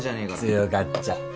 強がっちゃって。